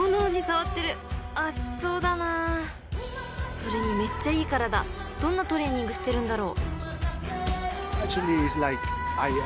［それにめっちゃいい体どんなトレーニングしてるんだろう？］